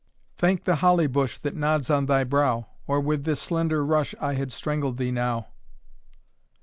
'Thank the holly bush That nods on thy brow; Or with this slender rush I had strangled thee now.'